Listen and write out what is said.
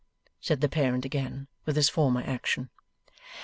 said the parent again, with his former action.